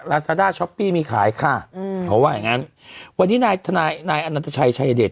ลาซาด้าช้อปปี้มีขายค่ะอืมเขาว่าอย่างงั้นวันนี้นายทนายนายอนันตชัยชายเดช